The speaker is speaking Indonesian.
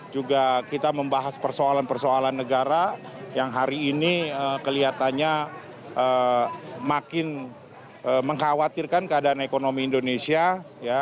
juga kita membahas persoalan persoalan negara yang hari ini kelihatannya makin mengkhawatirkan keadaan ekonomi indonesia ya